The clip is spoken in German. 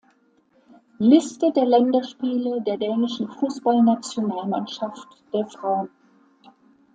Liste der Länderspiele der dänischen Fußballnationalmannschaft der Frauen